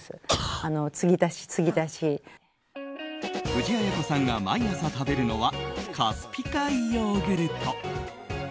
藤あや子さんが毎朝食べるのはカスピ海ヨーグルト。